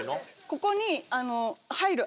ここに。